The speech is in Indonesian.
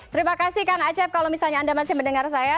terima kasih kang acep kalau misalnya anda masih mendengar saya